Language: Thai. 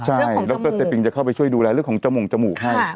ใช่แล้วก็เซปิงจะเข้าไปช่วยดูแลเรื่องของจมูกจมูกให้